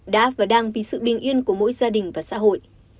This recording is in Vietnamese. đã và đang vì sự bình yên của mỗi gia đình và xã hội